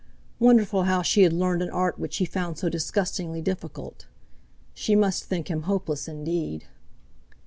Wonderful how she had learned an art which he found so disgustingly difficult. She must think him hopeless indeed!